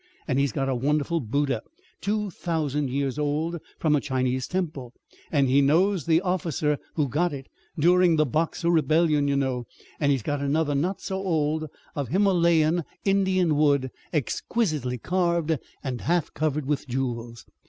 And he's got a wonderful Buddha two thousand years old from a Chinese temple, and he knows the officer who got it during the Boxer Rebellion, you know. And he's got another, not so old, of Himalayan Indian wood, exquisitely carved, and half covered with jewels.